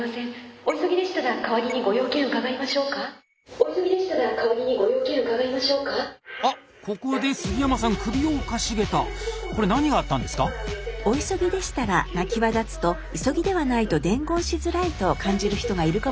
「お急ぎでしたら」が際立つと急ぎではないと伝言しづらいと感じる人がいるかもしれません。